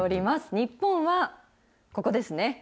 日本はここですね。